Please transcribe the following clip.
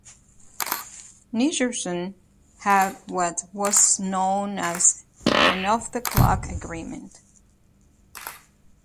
Nicholson had what was known as an "off-the-clock" agreement.